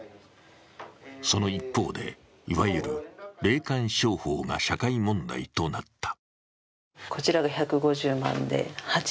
その一方で、いわゆる霊感商法が社会問題となった。